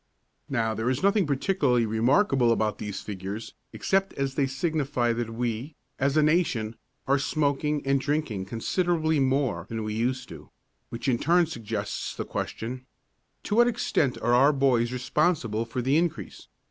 Now, there is nothing particularly remarkable about these figures except as they signify that we, as a nation, are smoking and drinking considerably more than we used to, which in turn suggests the question: To what extent are our boys responsible for the increase?